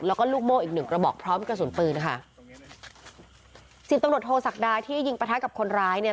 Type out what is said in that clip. แล้วก็ลูกโม่อีกหนึ่งกระบอกพร้อมกระสุนปืนค่ะสิบตำรวจโทษศักดาที่ยิงประทะกับคนร้ายเนี่ย